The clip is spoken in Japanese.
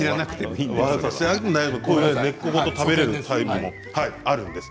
根っこごと食べられるタイプもあるんです。